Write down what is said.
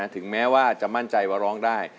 ถึงแม้ว่าจะมั่นใจว่าร้องได้